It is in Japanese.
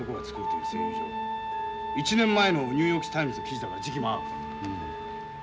１年前のニューヨーク・タイムズの記事だから時期も合う。